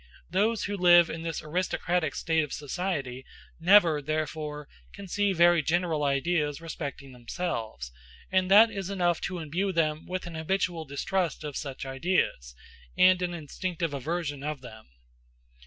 Those who live in this aristocratic state of society never, therefore, conceive very general ideas respecting themselves, and that is enough to imbue them with an habitual distrust of such ideas, and an instinctive aversion of them.